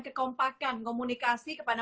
kekompakan komunikasi kepada